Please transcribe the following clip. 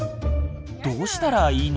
どうしたらいいの？